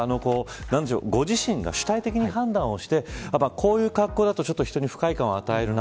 ご自身が主体的に判断をしてこういう格好だと人に不快感を与えるな。